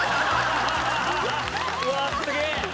うわっすげえ！